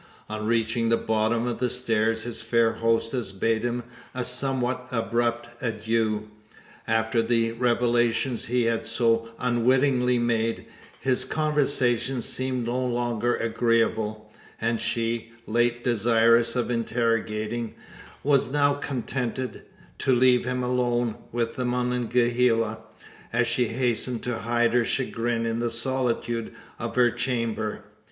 On reaching the bottom of the stair his fair hostess bade him a somewhat abrupt adieu. After the revelations he had so unwittingly made, his conversation seemed no longer agreeable; and she, late desirous of interrogating, was now contented to leave him alone with the Monongahela, as she hastened to hide her chagrin in the solitude of her chamber.